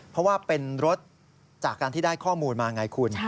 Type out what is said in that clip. เพราะว่าเป็นรถจากการที่ได้ข้อมูลมาไงคุณ